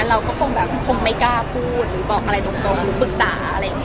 เราก็คงแบบคงไม่กล้าพูดหรือบอกอะไรตรงหรือปรึกษาอะไรอย่างนี้